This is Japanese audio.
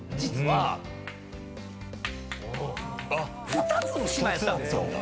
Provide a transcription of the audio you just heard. ２つの島やったんですよ。